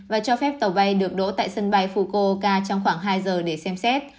và cho phép tàu bay được đổ tại sân bay fukuoka trong khoảng hai giờ để xem xét